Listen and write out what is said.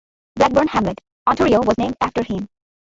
Blackburn Hamlet, Ontario was named after him.